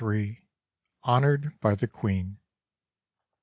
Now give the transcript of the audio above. III. HONORED BY THE QUEEN.